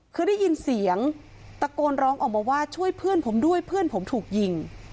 คือได้ยินเสียงตะโกนร้องออกมาว่าช่วยเพื่อนผมด้วยเพื่อนผมถูกยิง